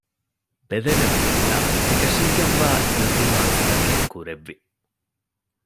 ބެލެނިވެރިންނަށް އެކަށީގެންވާ އިލްތިމާސްތަކެއް ކުރެއްވި